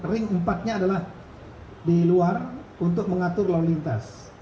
ring empatnya adalah di luar untuk mengatur lalu lintas